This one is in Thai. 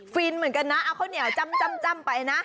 ฟินเหมือนกันนะเอาข้าวเหนียวจ้ำไปนะ